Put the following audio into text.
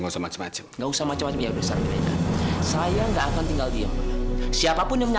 sampai jumpa di video selanjutnya